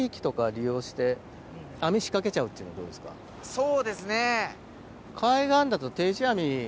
そうですね。